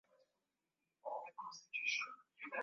Madereva wanatoa nafasi kwa watembea kwa miguu na kujaribu